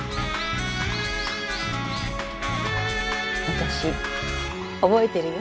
私覚えてるよ。